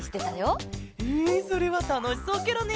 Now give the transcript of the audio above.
えそれはたのしそうケロね。